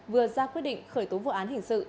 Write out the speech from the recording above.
vừa ra quyết định khởi tố vụ án hình sự